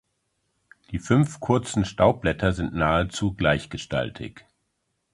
Die fünf kurzen Staubblätter sind nahezu gleichgestaltig.